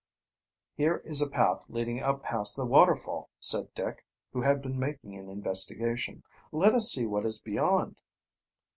"Here is a path leading up past the waterfall," said Dick, who had been making an investigation. "Let us see what is beyond."